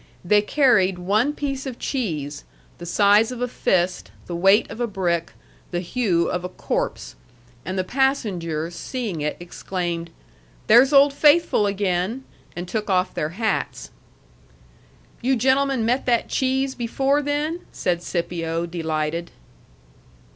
They carried one piece of cheese, the size of a fist, the weight of a brick, the hue of a corpse. And the passengers, seeing it, exclaimed, "There's Old Faithful again!" and took off their hats. "You gentlemen met that cheese before, then?" said Scipio, delighted.